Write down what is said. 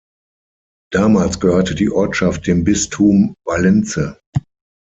Damals gehörte die Ortschaft dem Bistum Valence.